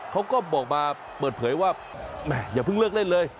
เขาก็บอกมาเปิดเผยว่าแม่อย่าเพิ่งเลิกเล่นเลย